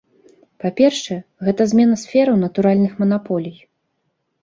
Па-першае, гэта змена сфераў натуральных манаполій.